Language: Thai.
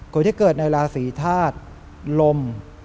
คนที่เกิดในราศีธาตุลม